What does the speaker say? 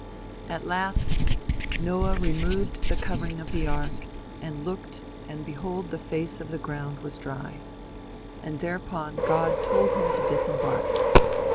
At last Noah "removed the covering of the ark, and looked and behold the face of the ground was dry," and thereupon God told him to disembark.